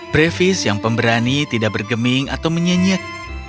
brevis yang pemberani tidak bergeming atau menyenyet